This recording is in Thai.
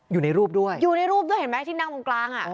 อยู่ในรูปด้วยอยู่ในรูปด้วยเห็นไหมที่นั่งตรงกลางอ่ะ